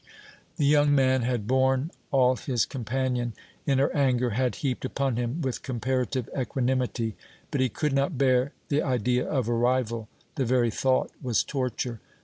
The young man had borne all his companion in her anger had heaped upon him with comparative equanimity, but he could not bear the idea of a rival, the very thought was torture.